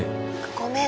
ごめん。